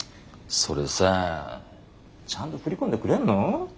それさちゃんと振り込んでくれんの？